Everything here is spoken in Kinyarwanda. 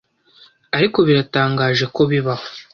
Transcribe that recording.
ariko biratangaje ko bibaho